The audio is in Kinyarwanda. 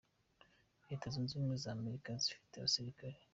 Leta zunze Ubumwe za Amerika zifite abasirikari .